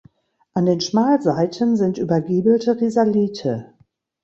An den Schmalseiten sind übergiebelte Risalite.